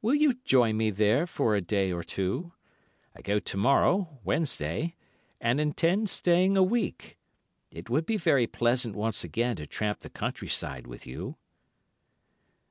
Will you join me there for a day or two? I go to morrow (Wednesday), and intend staying a week. It would be very pleasant once again to tramp the country side with you....